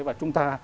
và chúng ta